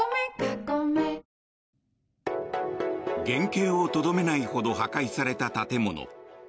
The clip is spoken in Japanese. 原形をとどめないほど破壊された建物。